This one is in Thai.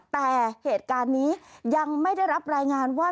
แต่เหตุการณ์นี้ยังไม่ได้รับรายงานว่า